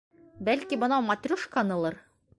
Бәлки, бынау матрешканылыр?